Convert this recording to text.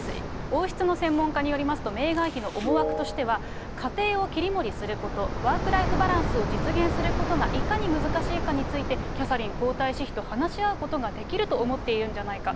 王室の専門家によりますと、メーガン妃の思惑としては、家庭を切り盛りすること、ワーク・ライフ・バランスを実現することがいかに難しいかについて、キャサリン皇太子妃と話し合うことができると思っているんじゃないか。